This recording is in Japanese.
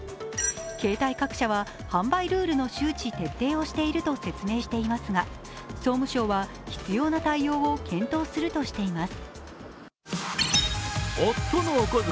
携帯各社は販売ルールの周知徹底をしていると説明していますが総務省は必要な対応を検討するとしています。